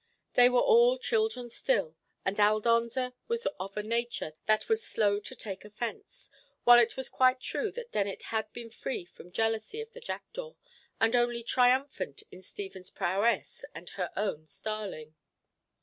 But they were all children still, and Aldonza was of a nature that was slow to take offence, while it was quite true that Dennet had been free from jealousy of the jackdaw, and only triumphant in Stephen's prowess and her own starling.